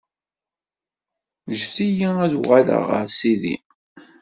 ǧǧet-iyi ad uɣaleɣ ɣer sidi.